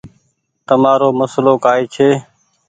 تمآرو مسلو ڪآئي ڇي۔